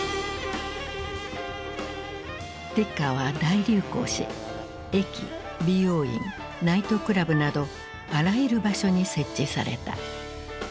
ティッカーは大流行し駅美容院ナイトクラブなどあらゆる場所に設置された。